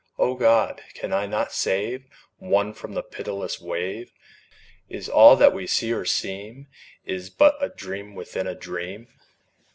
O God! can I not save One from the pitiless wave? Is all that we see or seem Is but a dream within a dream.